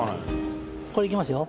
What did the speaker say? これいきますよ。